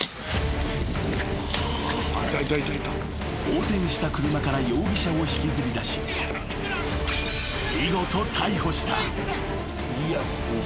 ［横転した車から容疑者を引きずりだし見事逮捕した］